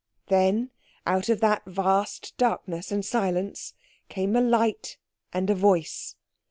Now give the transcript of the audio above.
Then out of that vast darkness and silence came a light and a voice.